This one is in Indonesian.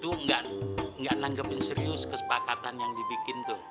tuhan saya nih tuh gak nanggepin serius kesepakatan yang dibikin tuh